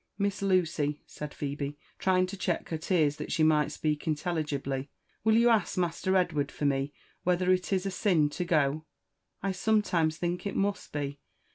•* Miss Lucy," said Phebe, trying to check her tears that she might speak intelligibly, '' will you ask Master Edward for me whether it is a sin to go t— I sometimes think it must be.